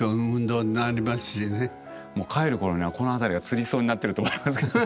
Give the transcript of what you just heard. もう帰る頃にはこの辺りがつりそうになってると思いますけど。